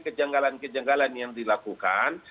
kejanggalan kejanggalan yang dilakukan